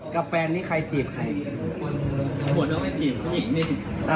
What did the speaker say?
กับแฟนนี่ใครจีบใคร